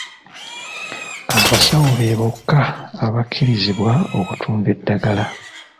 Abasawo be bokka abakkirizibwa okutunda eddagala.